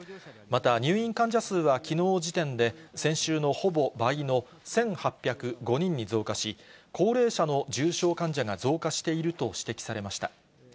また、入院患者数はきのう時点で、先週のほぼ倍の１８０５人に増加し、高齢者の重症患者が増加していると指摘されました。